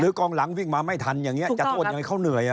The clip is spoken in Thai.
กองหลังวิ่งมาไม่ทันอย่างนี้จะโทษยังไงเขาเหนื่อย